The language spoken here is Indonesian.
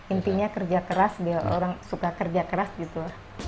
intinya kerja keras dia orang suka kerja keras gitu